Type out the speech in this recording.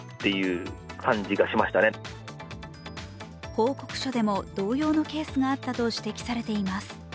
報告書でも同様のケースがあったと指摘されています。